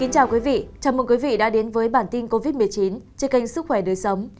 chào mừng quý vị đến với bản tin covid một mươi chín trên kênh sức khỏe đời sống